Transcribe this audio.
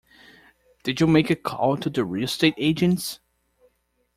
Did you make a call to the real estate agents?